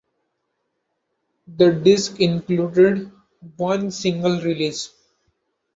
The disc included one single release.